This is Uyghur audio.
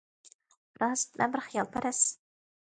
راست، مەن بىر خىيالپەرەس.